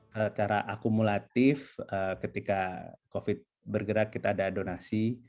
secara akumulatif ketika covid bergerak kita ada donasi